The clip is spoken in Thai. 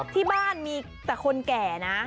ที่บ้านมีแต่คนแก่นะ